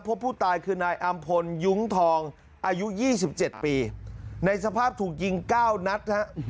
พบผู้ตายคือนายอำพลยุงทองอายุยี่สิบเจ็ดปีในสภาพถูกยิงเก้านัดนะคะ